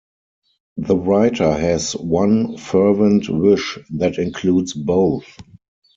The writer has one fervent wish that includes both.